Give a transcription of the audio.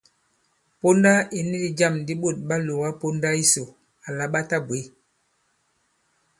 Ponda ì ni ndī jâm di ɓôt ɓa lòga ponda yisò àlà ɓa tabwě.